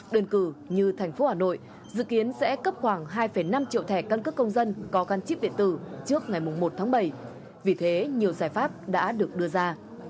đơn cử như thành phố hà nội dự kiến sẽ cấp khoảng hai năm triệu thẻ căn cước công dân có căn chip điện tử trước ngày một tháng bảy vì thế nhiều giải pháp đã được đưa ra